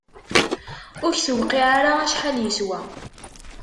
Ur k-tewqiε ara acḥal yeswa!